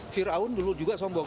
fir'aun dulu juga sombong